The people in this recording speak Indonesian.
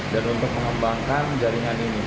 dan untuk mengembangkan jaringan ini